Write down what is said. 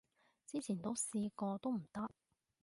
之前都試過都唔得